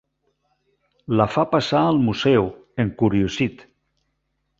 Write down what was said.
La fa passar al museu, encuriosit.